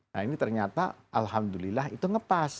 nah ini ternyata alhamdulillah itu ngepas